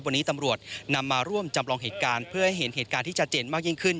วันนี้ตำรวจนำมาร่วมจำลองเหตุการณ์เพื่อให้เห็นเหตุการณ์ที่ชัดเจนมากยิ่งขึ้น